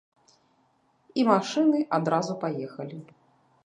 І машыны адразу паехалі.